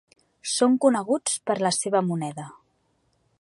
Són coneguts per la seva moneda.